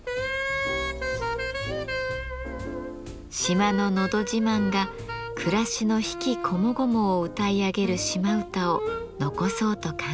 島ののど自慢が暮らしの悲喜こもごもを歌い上げる島唄を残そうと考えました。